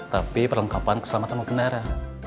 tapi perlengkapan keselamatan menggenara